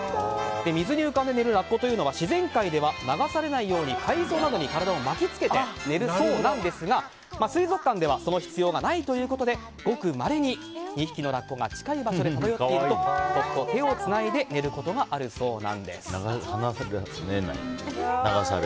水に浮かんで寝るラッコは自然界では流されないように海藻などに巻きつけて寝るそうなんですが水族館ではその必要がないということでごくまれに、２匹のラッコが近い場所で漂っているとそっと手をつないで寝ることがあるそうなんです。